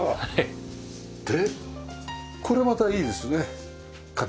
でこれまたいいですね形が。